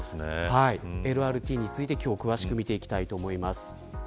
ＬＲＴについて詳しく見ていきたいと思います。